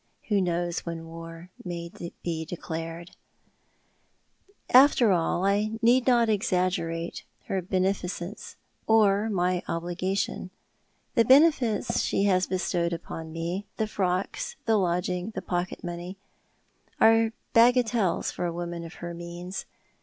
Who knows when war may be declared ? After all I need not exaggerate her beneficence or my obliga tion. The benefits she has bestowed upon me— the frocks, the lodging, the pocket money — are bagatelles for a woman of her means.